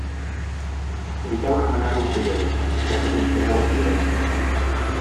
Eviteu remenar-ho amb cullera, ja que trinxareu els cigrons.